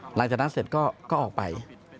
หลังจากนั้นเสร็จก็ออกไป